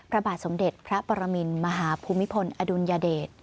ระบาดสมเด็จพระปรมินมหาภูมิพลอดุลยเดช